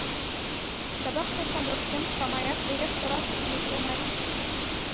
Ҫапах та ҫамрӑксем самаях эрех-сӑра сыпни курӑнать.